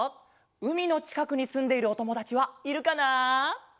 うみのちかくにすんでいるおともだちはいるかな？